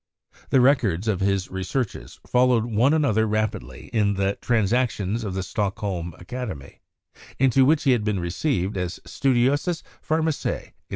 The records of his researches followed one another rapidly in the 'Transactions of the Stockholm Academy, into which he had been received as "Studiosus Pharmacia?"